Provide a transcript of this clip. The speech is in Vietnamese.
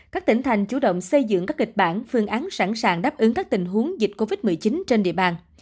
các tỉnh thành chủ động xây dựng các kịch bản phương án sẵn sàng đáp ứng các tình huống dịch covid một mươi chín trên địa bàn